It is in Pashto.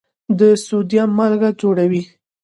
د سوډیم مالګه جوړوي.